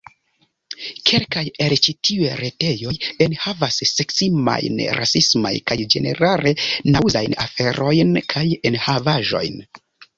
Kelkaj el ĉi tiuj retejoj enhavas... seksismajn, rasismajn... kaj ĝenerale naŭzajn aferojn kaj enhavaĵojn.